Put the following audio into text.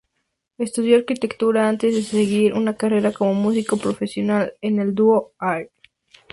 Estudió arquitectura antes de seguir una carrera como músico profesional en el dúo Air.